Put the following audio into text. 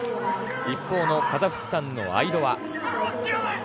一方のカザフスタンのアイドワ。